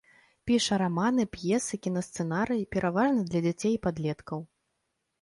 Піша раманы, п'есы, кінасцэнарыі, пераважна для дзяцей і падлеткаў.